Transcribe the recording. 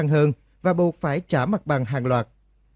hơn và buộc phải trả mặt bằng hàng loạt